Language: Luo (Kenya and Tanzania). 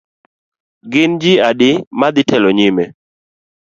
Gin ji adi madhi telo nyime?